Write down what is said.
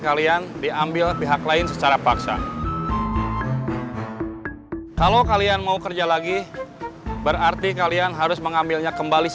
kalau pagi mah biasanya juga memang macet bos